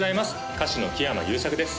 歌手の木山裕策です